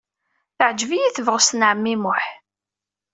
Teɛjeb-iyi tebɣest n ɛemmi Muḥ.